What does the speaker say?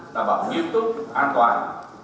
đảm bảo nghiêm túc an toàn